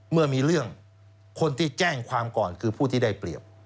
เมื่อมีเรื่องคนที่แจ้งความก่อนคือผู้ที่ได้เปรียบ